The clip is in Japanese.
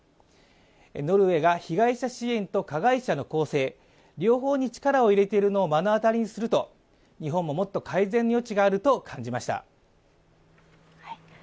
ノルウェーが被害者支援と加害者の更生、両方に力を入れているのを目の当たりにすると日本ももっと改善の余地があると感じました。